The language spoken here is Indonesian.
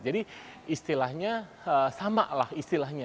jadi istilahnya sama lah istilahnya